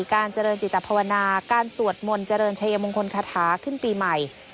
การเจริญจิตภาวนาการสวดมนต์เจริญชัยมงคลคาถาขึ้นปีใหม่